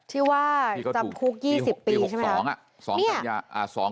ที่ว่าจำภูกิ๒๐ปีสอง